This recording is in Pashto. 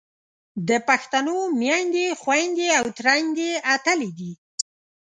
د پښتنو میندې، خویندې او ترېیندې اتلې دي.